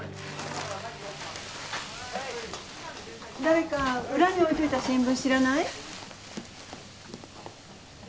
誰か裏に置いといた新聞知らない？